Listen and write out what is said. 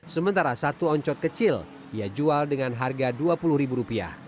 sementara satu oncot kecil ia jual dengan harga rp dua puluh